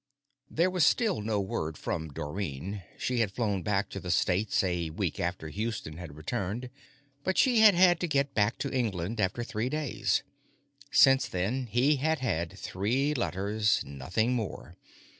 There was still no word from Dorrine. She had flown back to the States a week after Houston had returned, but she had had to get back to England after three days. Since then, he had had three letters, nothing more.